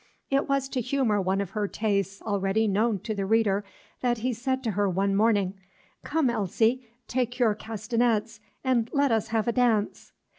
It was to humor one of her tastes already known to the reader, that he said to her one morning, "Come, Elsie, take your castanets, and let us have a dance."